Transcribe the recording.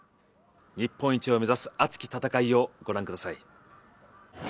日本一を目指す熱き戦いをご覧ください。